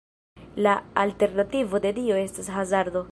La alternativo de dio estas hazardo.